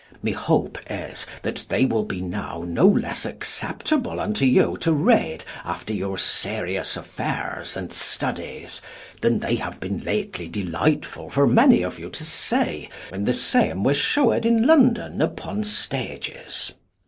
My hope is, that they will be now no less acceptable unto you to read after your serious affairs and studies than they have been lately delightful for many of you to see when the same were shewed in London upon stages.